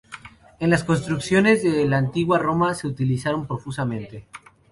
En las construcciones de la Antigua Roma se utilizaron profusamente.